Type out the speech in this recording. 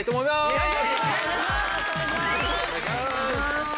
よろしくお願いします。